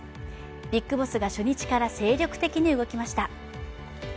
ビッグボスが初日から精力的に動きました。